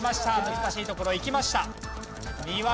難しいところいきました。